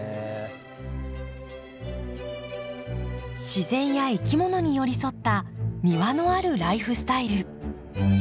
自然や生きものに寄り添った「庭のあるライフスタイル」。